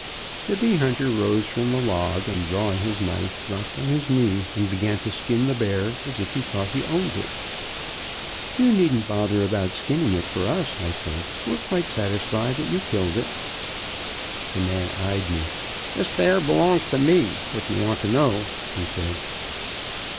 The bee hunter rose from the log and drawing his knife, dropped on his knee, and began to skin the bear as if he thought he owned it. "You needn't bother about skinning it for us," I said, "we're quite satisfied that you killed it." The man eyed me. "This bear belongs to me, if ye want to know," he said.